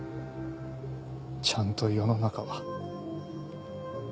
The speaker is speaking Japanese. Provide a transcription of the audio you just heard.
ちゃんと世の中は。